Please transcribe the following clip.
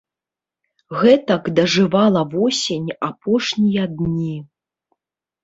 Гэтак дажывала восень апошнія дні.